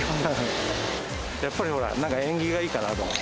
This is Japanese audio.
やっぱりほら、なんか、縁起がいいかなと思って。